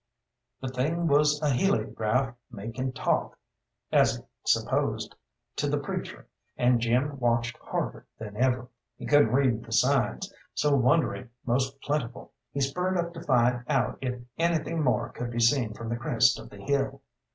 The thing was a heliograph making talk, as it supposed, to the preacher, and Jim watched harder than ever. He couldn't read the signs, so wondering most plentiful, he spurred up to find out if anything more could be seen from the crest of the hill.